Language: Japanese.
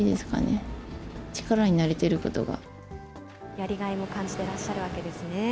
やりがいも感じてらっしゃるわけですね。